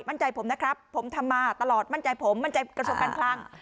มั่นใจผมนะครับผมทำมาตลอดมั่นใจผมมั่นใจกระทรวงการคลัง